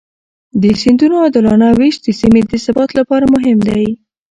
د سیندونو عادلانه وېش د سیمې د ثبات لپاره مهم دی.